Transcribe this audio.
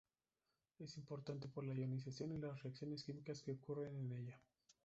Es importante por la ionización y las reacciones químicas que ocurren en ella.